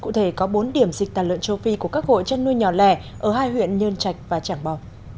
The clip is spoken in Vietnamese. cụ thể có bốn điểm dịch tà lợn châu phi của các hội chân nuôi nhỏ lẻ ở hai huyện nhơn trạch và trảng bò